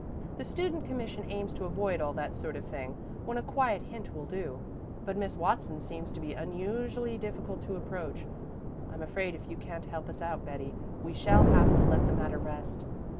The Students' Commission aims to avoid all that sort of thing, when a quiet hint will do it. But Miss Watson seems to be unusually difficult to approach; I'm afraid if you can't help us out, Betty, we shall have to let the matter rest."